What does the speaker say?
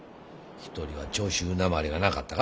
一人は長州訛りがなかったか？